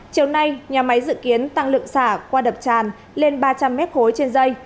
chiều nay nhà máy dự kiến tăng lượng xả qua đập tràn lên ba trăm linh m ba trên dây